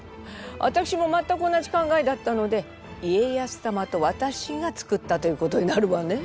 わたくしも全く同じ考えだったので家康様とわたしが作ったということになるわね。